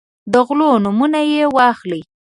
د غلو نومونه یې واخلئ.